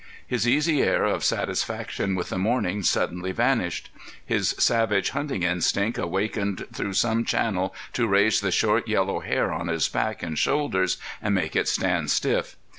His easy air of satisfaction with the morning suddenly vanished. His savage hunting instinct awakened through some channel to raise the short yellow hair on his neck and shoulders and make it stand stiff.